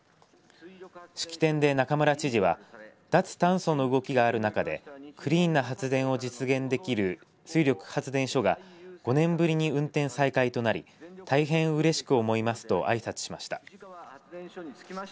式典で中村知事は脱炭素の動きがある中でクリーンな発電を実現できる水力発電所が５年ぶりに運転再開となり大変うれしく思いますとあいさつしました。